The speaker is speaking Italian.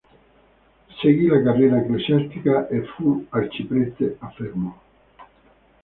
Seguì la carriera ecclesiastica e fu arciprete a Fermo.